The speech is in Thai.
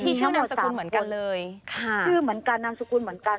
มีชื่อนามสกุลเหมือนกันเลยค่ะชื่อเหมือนกันนามสกุลเหมือนกัน